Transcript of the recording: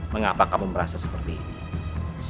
mengapa kamu merasa seperti ini